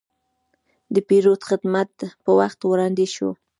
د پیرود خدمت په وخت وړاندې شو.